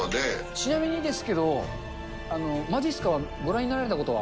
ちなみにですけれども、まじっすかはご覧になられたことは。